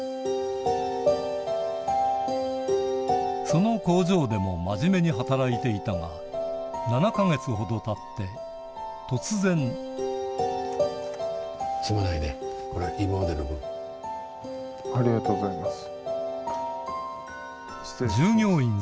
その工場でも真面目に働いていたが突然ありがとうございます。